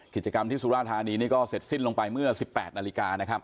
กิจกรรมที่สุราธานีนี่ก็เสร็จสิ้นลงไปเมื่อ๑๘นาฬิกานะครับ